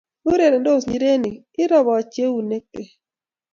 Urerendos njirenik, irobochi eunek bek